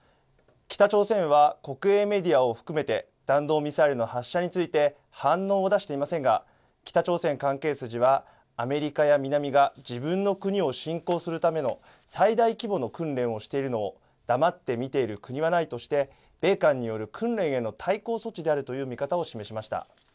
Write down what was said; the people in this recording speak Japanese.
北朝鮮は国営メディアを含めて弾道ミサイルの発射について反応を出していませんが北朝鮮関係筋はアメリカや南が自分の国を侵攻するための最大規模の訓練をしているのを黙って見ている国はないとして米韓による訓練への対抗措置であるという見方を示しました。